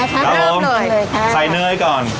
พร้อมใส่เนื้อให้ก่อน